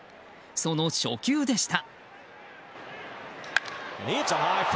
その初球でした。